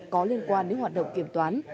có liên quan đến hoạt động kiểm toán